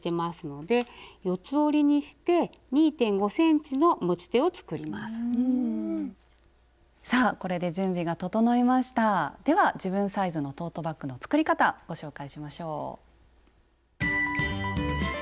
では自分サイズのトートバッグの作り方ご紹介しましょう。